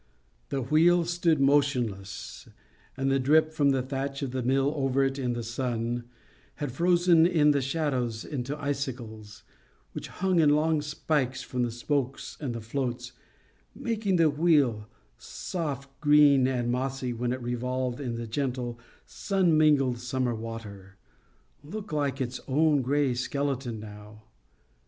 The wheel stood motionless, and the drip from the thatch of the mill over it in the sun, had frozen in the shadow into icicles, which hung in long spikes from the spokes and the floats, making the wheel—soft green and mossy when it revolved in the gentle sun mingled summer water—look like its own gray skeleton now.